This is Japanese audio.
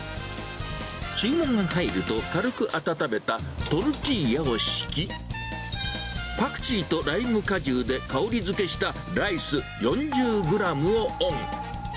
注文が入ると軽く温めたトルティーヤを敷き、パクチーとライム果汁で香りづけしたライス４０グラムをオン。